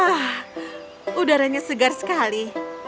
ah udaranya segar sekali